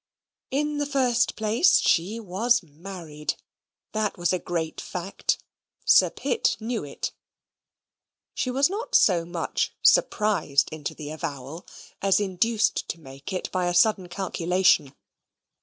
In the first place, she was MARRIED that was a great fact. Sir Pitt knew it. She was not so much surprised into the avowal, as induced to make it by a sudden calculation.